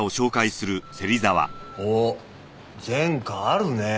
おっ前科あるねぇ。